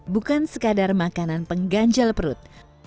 bukan sekadar makanan pengganjal perut